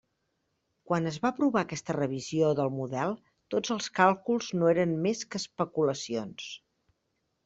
Quan es va aprovar aquesta revisió del model tots els càlculs no eren més que especulacions.